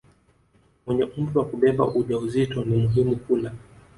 mwenye umri wa kubeba ujauzito ni muhimu kula